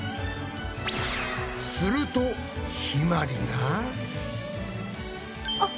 するとひまりが。